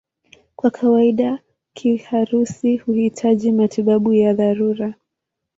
Kwa kawaida kiharusi huhitaji matibabu ya dharura.